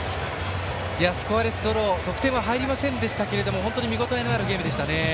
スコアレスドロー得点は入りませんでしたが本当に見応えのあるゲームでした。